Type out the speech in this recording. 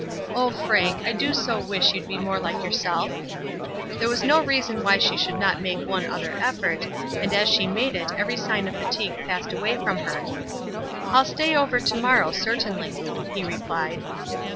Oh, Frank, I do so wish you'd be more like yourself." There was no reason why she should not make one other effort, and as she made it every sign of fatigue passed away from her. "I'll stay over to morrow certainly," he replied.